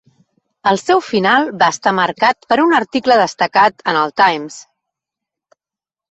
El seu final va estar marcat per un article destacat en el "Times".